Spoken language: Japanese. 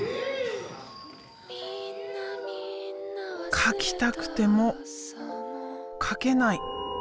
描きたくても描けない。